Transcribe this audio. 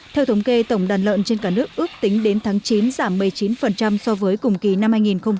theo thống kê tổng đàn lợn trên cả nước ước tính đến tháng chín giảm một mươi chín so với cùng kỳ năm hai nghìn một mươi tám